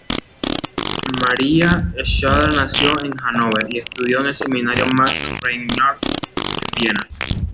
Maria Schrader nació en Hannover y estudió en el Seminario Max Reinhardt en Viena.